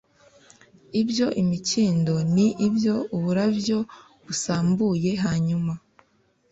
iby imikindo n iby uburabyo busambuye hanyuma